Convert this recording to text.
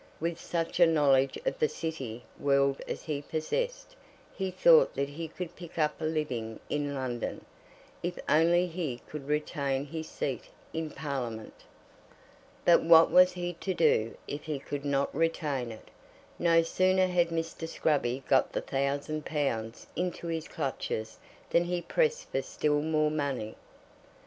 With such a knowledge of the City world as he possessed, he thought that he could pick up a living in London, if only he could retain his seat in Parliament. But what was he to do if he could not retain it? No sooner had Mr. Scruby got the thousand pounds into his clutches than he pressed for still more money.